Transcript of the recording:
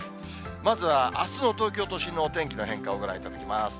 まずはあすの東京都心のお天気の変化をご覧いただきます。